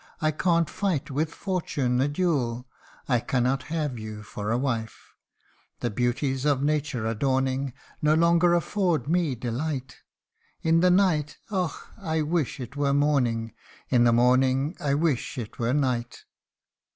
I can't fight with Fortune a duel, I cannot have you for a wife. The beauties of nature adorning No longer afford me delight : RECOLLECTIONS OF A FADED BEAUTY. 235 In the night, och ! I wish it were morning, In the morning I wish it were night